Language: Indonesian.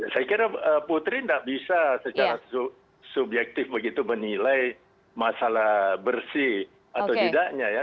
saya kira putri tidak bisa secara subjektif begitu menilai masalah bersih atau tidaknya ya